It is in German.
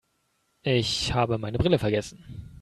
Ich habe meine Brille vergessen.